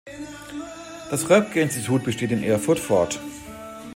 Das Röpke-Institut besteht in Erfurt fort.